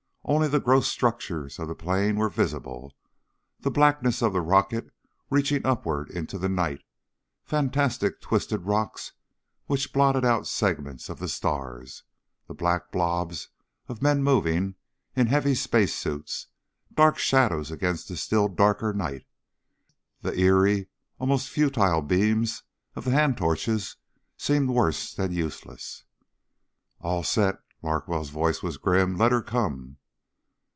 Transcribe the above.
Only the gross structures of the plain were visible: the blackness of the rocket reaching upward into the night; fantastic twisted rocks which blotted out segments of the stars; the black blobs of men moving in heavy space suits, dark shadows against the still darker night. The eery almost futile beams of the hand torches seemed worse than useless. "All set." Larkwell's voice was grim. "Let her come."